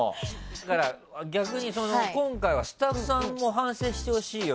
だから、今回はスタッフさんも反省してほしいよ。